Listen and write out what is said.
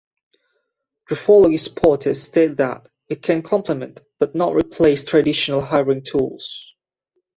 Graphology supporters state that it can complement but not replace traditional hiring tools.